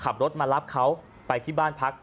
ขับรถมารับเขาไปที่บ้านพัก